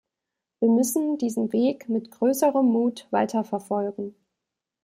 Wir müssen diesen Weg mit größerem Mut weiterverfolgen.